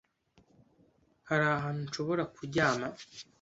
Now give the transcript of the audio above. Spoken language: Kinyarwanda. Hari ahantu nshobora kuryama?